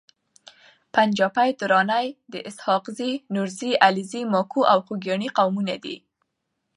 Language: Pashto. پنجپاي دراني د اسحاقزي، نورزي، علیزي، ماکو او خوګیاڼي قومونو دي